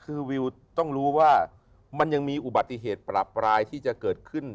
คือวิวต้องรู้ว่ามันยังมีอุบัติเหตุประปรายที่จะเกิดขึ้น